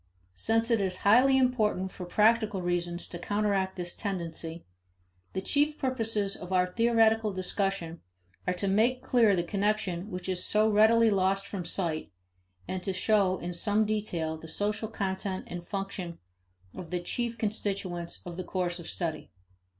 Since it is highly important for practical reasons to counter act this tendency (See ante, p. 8) the chief purposes of our theoretical discussion are to make clear the connection which is so readily lost from sight, and to show in some detail the social content and function of the chief constituents of the course of study.